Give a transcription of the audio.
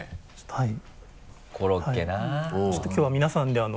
はい。